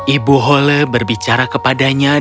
ibu hole berbicara kepadanya